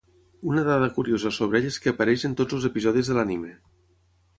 Una dada curiosa sobre ell és que apareix en tots els episodis de l’anime.